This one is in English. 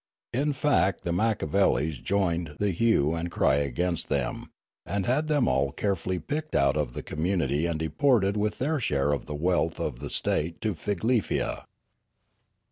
In fact the machiavellis joined the hue and cry against them, and had them all carefully picked out of the community and deported with their share of the wealth of the state to Figlefia.